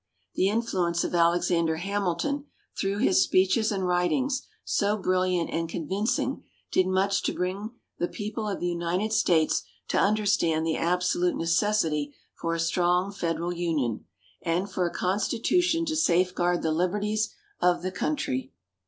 The influence of Alexander Hamilton, through his speeches and writings, so brilliant and convincing, did much to bring the People of the United States to understand the absolute necessity for a strong Federal Union and for a Constitution to safeguard the liberties of the Country.